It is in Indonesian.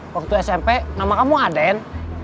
waktu smp nama kamu aden